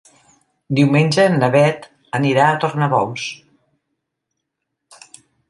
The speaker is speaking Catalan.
Diumenge na Beth anirà a Tornabous.